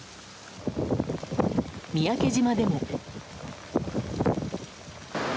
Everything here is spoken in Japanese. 三宅島でも。